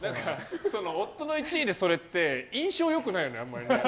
夫の１位でそれって印象良くないよね。